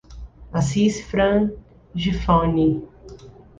Assis Fran Gifone